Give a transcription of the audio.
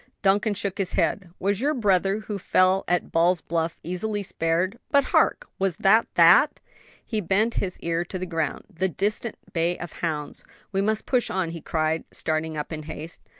Duncan shook his head. "Was your brother who fell at Ball's Bluff easily spared? But hark! what was that?" He bent his ear to the ground. "The distant bay of hounds! We must push on!" he cried, starting up in haste.